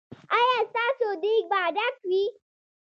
ایا ستاسو دیګ به ډک وي؟